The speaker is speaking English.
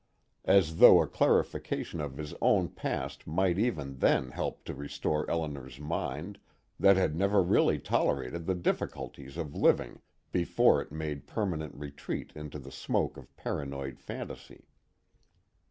_ As though a clarification of his own past might even then help to restore Elinor's mind, that had never really tolerated the difficulties of living before it made permanent retreat into the smoke of paranoid fantasy.